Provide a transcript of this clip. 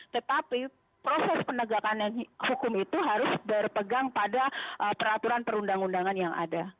tetapi proses penegakan hukum itu harus berpegang pada peraturan perundang undangan yang ada